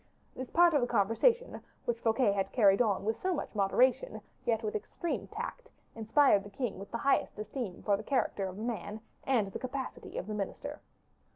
This part of the conversation, which Fouquet had carried on with so much moderation, yet with extreme tact, inspired the king with the highest esteem for the character of the man and the capacity of the minister.